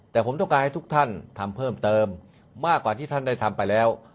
แต่ผมต้องการให้ทุกท่านทำเพิ่มเติมมากกว่าที่ท่านได้ทำไปแล้ว